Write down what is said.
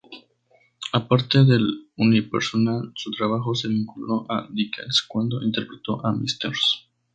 Aparte del unipersonal, su trabajo se vinculó a Dickens cuando interpretó a Mrs.